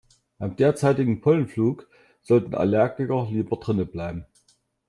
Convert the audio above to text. Beim derzeitigen Pollenflug sollten Allergiker lieber drinnen bleiben.